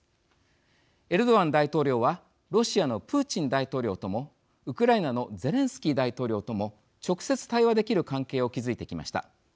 エルドアン大統領はロシアのプーチン大統領ともウクライナのゼレンスキー大統領とも直接対話できる関係を築いてきました。